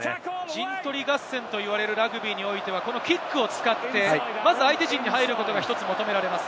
陣取り合戦といわれるラグビーにおいては、キックを使って、相手陣に入ることが求められます。